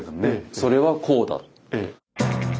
それはこうだと。